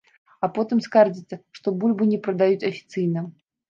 А потым скардзяцца, што бульбу не прадаюць афіцыйна.